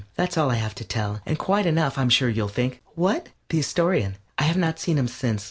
That's all I have to tell, and quite enough, I'm sure you'll think. What? The Astorian? I have not seen him since.